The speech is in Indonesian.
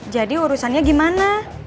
jadi urusannya gimana